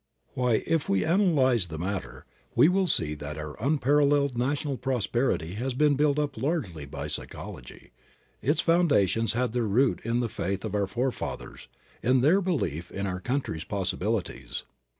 Why, if we analyze the matter, we will see that our unparalleled national prosperity has been built up largely by psychology. Its foundations had their root in the faith of our forefathers, in their belief in our country's possibilities.